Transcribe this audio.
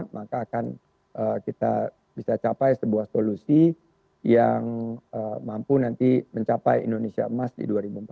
maka akan kita bisa capai sebuah solusi yang mampu nanti mencapai indonesia emas di dua ribu empat puluh